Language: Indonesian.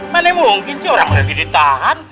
mana mungkin sih orang lebih ditahan